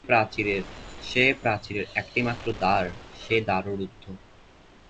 সে প্রাচীরের একটি মাত্র দ্বার, সে দ্বারও রুদ্ধ।